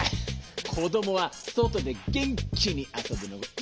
こどもはそとでげんきにあそぶのがいちばんだ。